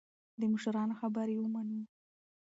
د مشرانو خبرې ومنو.